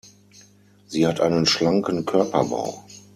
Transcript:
Sie hat einen schlanken Körperbau.